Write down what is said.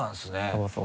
そうそう。